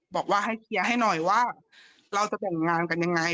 บอกว่าให้เคลียร์ให้หน่อยว่าเราจะแต่งงานกันยังไง